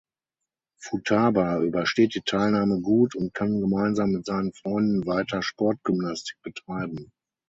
Futaba übersteht die Teilnahme gut und kann gemeinsam mit seinen Freunden weiter Sportgymnastik betreiben.